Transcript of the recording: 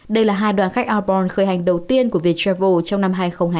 đây là hai đoàn khách outbound khởi hành đầu tiên của việt travel trong năm hai nghìn hai mươi hai